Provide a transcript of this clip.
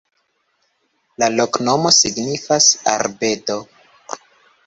La loknomo signifas: arbedo.